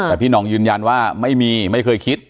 แต่พี่หน่องยืนยันว่าไม่มีไม่เคยคิด